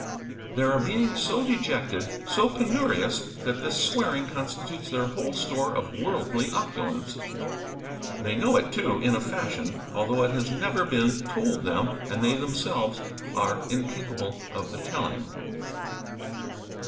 There are beings so dejected so penurious that this swearing constitutes their whole store of worldly opulence. They know it too, in a fashion, although it has never been told them and they themselves are incapable of the telling.